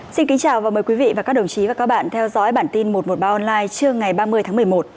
xin kính chào và mời quý vị và các đồng chí và các bạn theo dõi bản tin một trăm một mươi ba online trưa ngày ba mươi tháng một mươi một